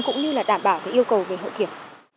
cũng như là đảm bảo yêu cầu về hậu kiểm